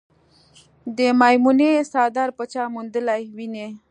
د میمونې څادر به چا موندلې وينه